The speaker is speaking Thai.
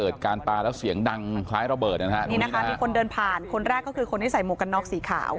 เดี๋ยวดูภาพนะคะ